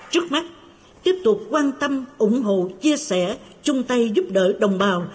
trước mắt tiếp tục quan tâm ủng hộ chia sẻ chung tay giúp đỡ đồng bào